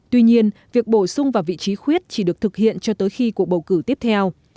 tuy nhiên việc bổ sung vào vị trí khuyết chỉ được thực hiện cho tới khi cuộc bầu cử tiếp theo